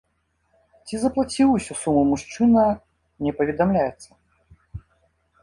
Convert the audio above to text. Ці заплаціў усю суму мужчына, не паведамляецца.